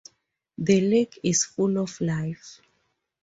The lake is full of life.